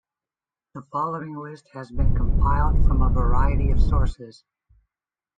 The following list has been compiled from a variety of sources.